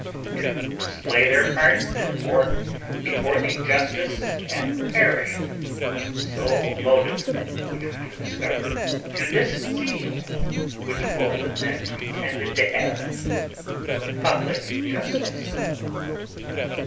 _ To display their parts, therefore, before the justice and the parish, was the sole motive which we can discover to this zeal which both of them pretended to have for public justice.